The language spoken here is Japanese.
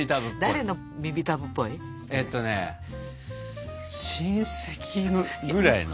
えっとね親戚ぐらいの。